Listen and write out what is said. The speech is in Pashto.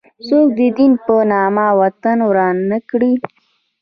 څوک د دین په نامه وطن وران نه کړي.